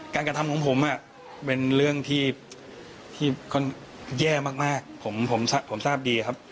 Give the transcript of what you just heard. การกระทำของผมเป็นเรื่องที่แย่มากผมทราบดีครับ